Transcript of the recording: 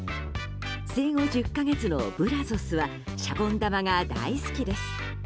生後１０か月のブラゾスはシャボン玉が大好きです。